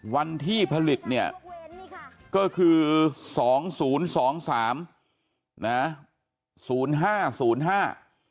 วันที่ผลิตเนี่ยก็คือสองศูนย์สองสามนะศูนย์ห้าศูนย์ห้า